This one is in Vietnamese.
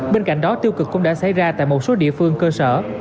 bên cạnh đó tiêu cực cũng đã xảy ra tại một số địa phương cơ sở